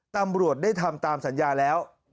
ตำรวจได้ทำตามสัญญาแล้ว